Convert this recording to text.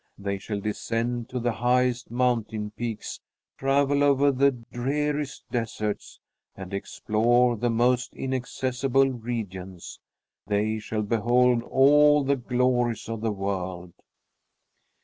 They shall descend to the highest mountain peaks, travel over the dreariest deserts, and explore the most inaccessible regions. They shall behold all the glories of the world.